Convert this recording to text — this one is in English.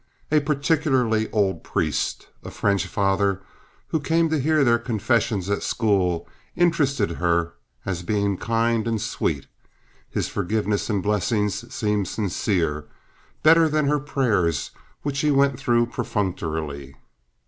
A particularly old priest, a French father, who came to hear their confessions at school, interested her as being kind and sweet. His forgiveness and blessing seemed sincere—better than her prayers, which she went through perfunctorily.